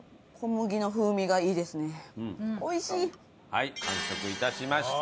はい完食致しました。